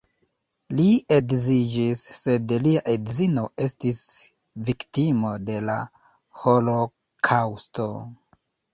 Li edziĝis, sed lia edzino estis viktimo de la holokaŭsto.